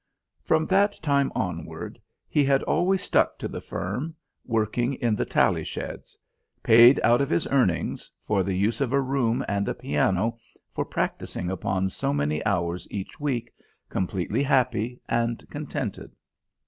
From that time onward he had always stuck to the firm, working in the tally sheds; paid, out of his earnings, for the use of a room and a piano for practising upon so many hours each week, completely happy and contented.